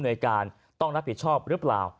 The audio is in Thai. โดยการต้องรับผิดชอบหรือเปล่า